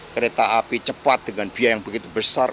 kereta api cepat dengan biaya yang begitu besar